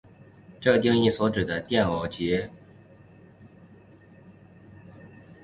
这定义所指的电偶极矩包括永久电偶极矩和感应电偶极矩。